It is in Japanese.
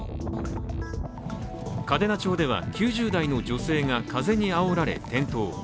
嘉手納町では９０代の女性が風にあおられ転倒。